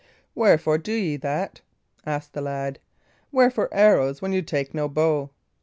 "Wherefore do ye that?" asked the lad. "Wherefore arrows, when ye take no bow?"